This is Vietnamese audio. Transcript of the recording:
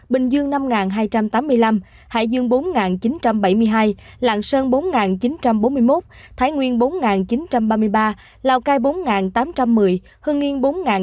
bình dương năm hai trăm tám mươi năm hải dương bốn chín trăm bảy mươi hai lạng sơn bốn chín trăm bốn mươi một thái nguyên bốn chín trăm ba mươi ba lào cai bốn tám trăm một mươi hưng yên bốn mươi